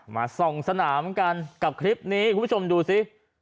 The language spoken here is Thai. ส่องสนามกันกับคลิปนี้คุณผู้ชมดูสิ